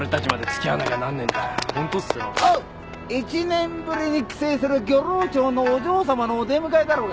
１年ぶりに帰省する漁労長のお嬢さまのお出迎えだろうが。